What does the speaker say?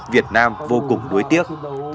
việt nam vô cùng đuối tiếc